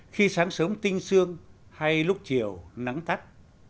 khi sáng sớm tinh sương hay lúc chiều nắng tắt